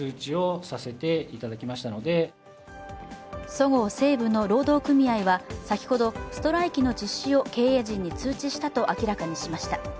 そごう・西武の労働組合は先ほどストライキの実施を経営陣に通知したと明らかにしました。